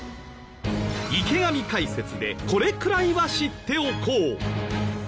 池上解説でこれくらいは知っておこう！